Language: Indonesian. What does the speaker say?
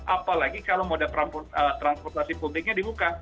apalagi kalau moda transportasi publiknya dibuka